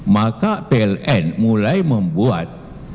maka pln mulai membuat